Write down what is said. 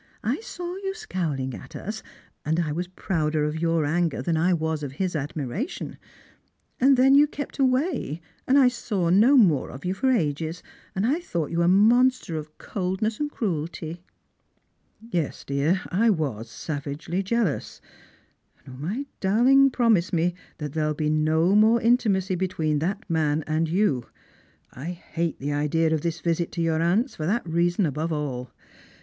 I saw you scowling at us, and I was prouder of your anger than I was of his admiration ; and then you kept away, and I saw no more of you for ages, and I thought you a monster of coldness and cruelty." " Yes, dear, I was savagely jealous ; and 0, my darling, pro mise me that there shall be no more intimacy between that man and you. I hate the idea of this visit to your aunt's, for that reason above all.